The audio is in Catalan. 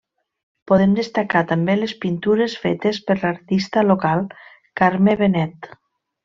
Podem destacar també les pintures fetes per l'artista local, Carme Benet.